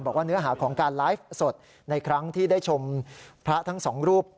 บอกว่าเนื้อหาของการไลฟ์สดในครั้งที่ได้ชมพระทั้งสองรูป